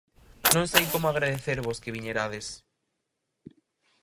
Non sei como agradecervos que viñerades